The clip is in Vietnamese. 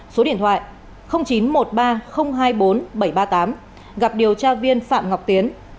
số điện thoại chín trăm một mươi ba hai mươi bốn bảy trăm ba mươi tám gặp điều tra viên phạm ngọc tiến